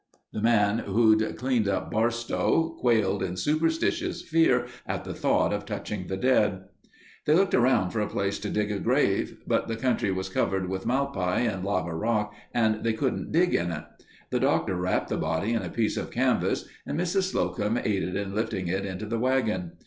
The man who'd cleaned up Barstow, quailed in superstitious fear at the thought of touching the dead. They looked around for a place to dig a grave. But the country was covered with malpai and lava rock and they couldn't dig in it. The Doctor wrapped the body in a piece of canvas and Mrs. Slocum aided in lifting it into the wagon.